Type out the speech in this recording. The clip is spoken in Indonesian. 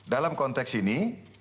dalam konteks ini